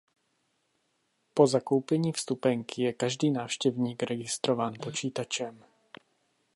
Po zakoupení vstupenky je každý návštěvník registrován počítačem.